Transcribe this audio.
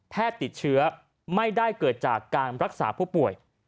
ติดเชื้อไม่ได้เกิดจากการรักษาผู้ป่วย